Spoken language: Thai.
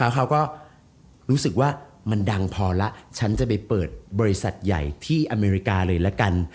เขาก็รู้สึกว่ามันดังพอแล้วฉันจะไปเปิดบริษัทใหญ่ที่อเมริกาเลยละกัน